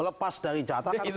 lepas dari jata kan pemerintah